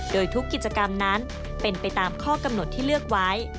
โดยทุกกิจกรรมนั้นเป็นไปตามข้อกำหนดที่เลือกไว้